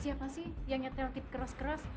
siapa sih yang relatif keras keras